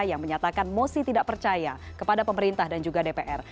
yang menyatakan mosi tidak percaya kepada pemerintah dan juga dpr